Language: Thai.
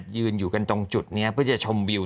ยืนอยู่กันตรงจุดนี้เพื่อจะชมวิว